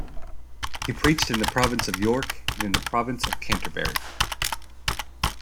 He preached in the Province of York and in the Province of Canterbury.